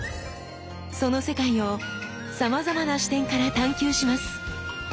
その世界をさまざまな視点から探究します。